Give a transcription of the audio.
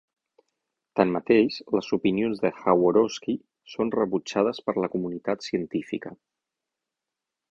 Tanmateix, les opinions de Jaworowski són rebutjades per la comunitat científica.